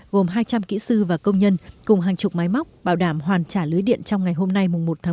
gồm hai trăm linh kỹ sư và công nhân cùng hàng chục máy móc bảo đảm hoàn trả lưới điện trong ngày hôm nay một tháng một